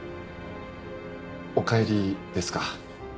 お帰りですか？